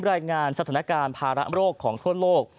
รายงานสถานการณ์ภาระโรคของทั่วโลก